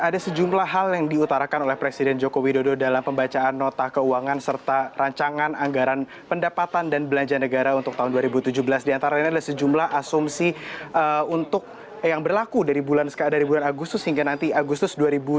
di antara ini adalah sejumlah asumsi yang berlaku dari bulan agustus hingga agustus dua ribu tujuh belas